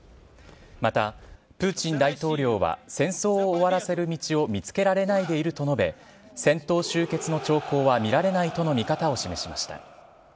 また、プーチン大統領は戦争を終わらせる道を見つけられないでいると述べ、戦闘終結の兆候は見られないとの見方を示しました。